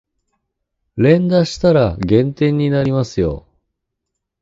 連打したら減点になりますよ